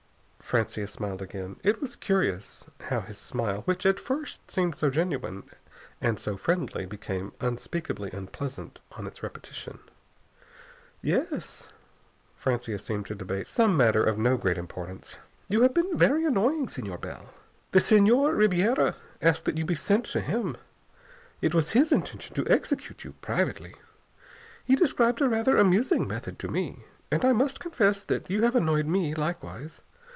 Francia smiled again. It was curious how his smile, which at first seemed so genuine and so friendly, became unspeakably unpleasant on its repetition. "Yes." Francia seemed to debate some matter of no great importance. "You have been very annoying, Señor Bell. The Senhor Ribiera asked that you be sent to him. It was his intention to execute you, privately. He described a rather amusing method to me. And I must confess that you have annoyed me, likewise.